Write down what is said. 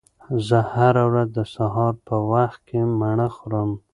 زه هره ورځ د سهار په وخت کې مڼه خورم.